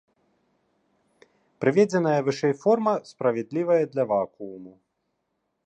Прыведзеная вышэй форма справядлівая для вакууму.